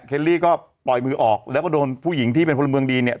ลี่ก็ปล่อยมือออกแล้วก็โดนผู้หญิงที่เป็นพลเมืองดีเนี่ย